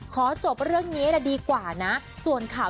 ขอจบเรื่องนี้ดีกว่านะ